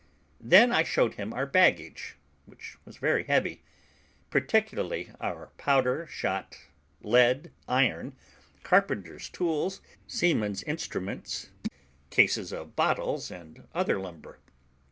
Then I showed him our baggage, which was very heavy, particularly our powder, shot, lead, iron, carpenters' tools, seamen's instruments, cases of bottles, and other lumber.